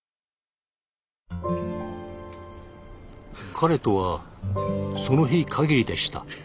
彼とはその日限りでした。